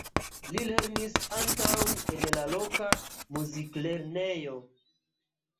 Li lernis ankaŭ en la loka muziklernejo.